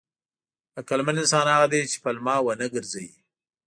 عقلمن انسان هغه دی چې پلمه ونه ګرځوي.